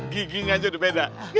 gigi ngajut beda